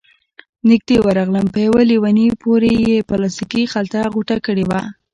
نږدې ورغلم، په يوه ليوني پورې يې پلاستيکي خلطه غوټه کړې وه،